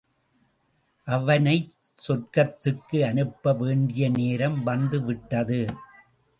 அவனைச் சொர்க்கத்துக்கு அனுப்ப வேண்டிய நேரம் வந்து விட்டது.